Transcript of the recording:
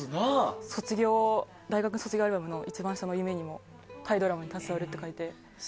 大学の卒業アルバムの一番下の夢にもタイドラマに携わるって書いて。